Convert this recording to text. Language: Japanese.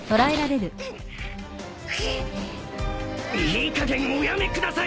いいかげんおやめください！